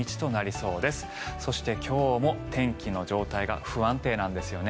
そして、今日も天気の状態が不安定なんですよね。